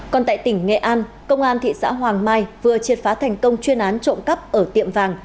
còn tại tỉnh nghệ an công an thị xã hoàng mai vừa triệt phá thành công chuyên án trộm cắp ở tiệm vàng